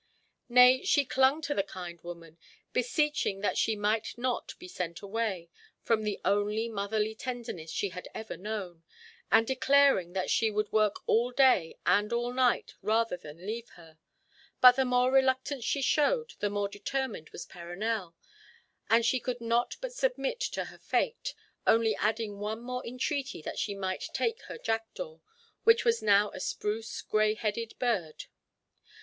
Nay, she clung to the kind woman, beseeching that she might not be sent away from the only motherly tenderness she had ever known, and declaring that she would work all day and all night rather than leave her; but the more reluctance she showed, the more determined was Perronel, and she could not but submit to her fate, only adding one more entreaty that she might take her jackdaw, which was now a spruce grey headed bird.